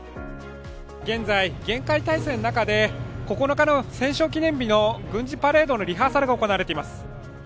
現在、厳戒態勢の中で９日の戦勝記念日の軍事パレードのリハーサルが行われています。